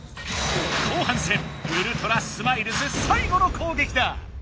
後半戦ウルトラスマイルズ最後の攻撃だ！